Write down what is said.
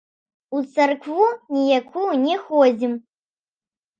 У царкву ніякую не ходзім.